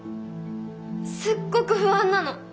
すっごく不安なの。